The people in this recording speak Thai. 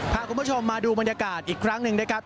พาคุณผู้ชมมาดูบรรยากาศอีกครั้งหนึ่งนะครับ